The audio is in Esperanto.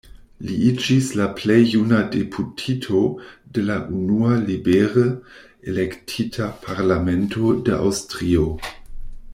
Li iĝis la plej juna deputito de la unua libere elektita parlamento de Aŭstrio.